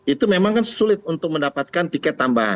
itu memang kan sulit untuk mendapatkan tiket tambahan